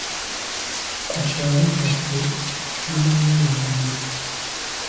Ku kyalo kyaffe tulima nnyo lumonde.